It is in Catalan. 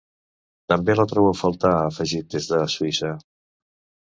També la trobo a faltar ha afegit des de Suïssa.